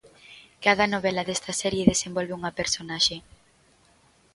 Cada novela desta serie desenvolve unha personaxe.